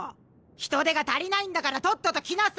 人手が足りないんだからとっとと来なさい！